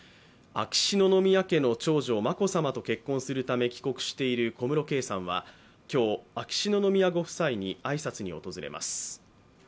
秋篠宮家の長女、眞子さまと結婚するため帰国している小室圭さんは今日、秋篠宮ご夫妻に挨拶に訪れます。